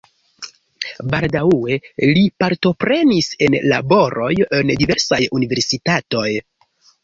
Baldaŭe li partoprenis en laboroj en diversaj universitatoj.